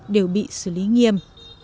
đều bị xử lý nghiêm